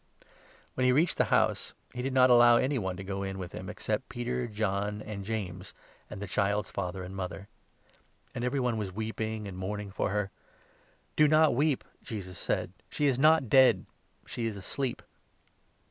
" When he reached the house, he did not allow any one to go in 51 with him, except Peter, John, and James, and the child's father and mother. And every one was weeping and mourning for 52 her. "Do not weep," Jesus said, "she is not dead; she is asleep."